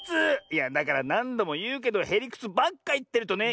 いやだからなんどもいうけどへりくつばっかいってるとね。